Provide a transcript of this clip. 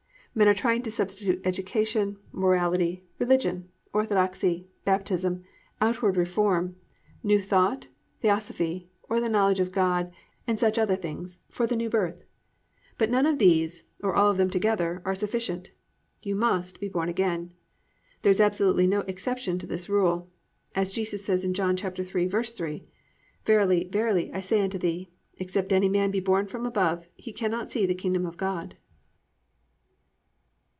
Men are trying to substitute education, morality, religion, orthodoxy, baptism, outward reform, "new thought," "theosophy" or the knowledge of God, and other such things, for the New Birth; but none of these, or all of them together, are sufficient, you must be born again. There is absolutely no exception to this rule. As Jesus says in John 3:3, +"Verily, verily, I say unto thee, except any man be born from above, he cannot see the kingdom of God."